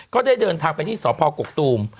ก็ได้เดินทางไปที่สพกกตูม